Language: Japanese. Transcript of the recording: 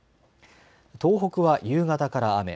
東北は夕方から雨。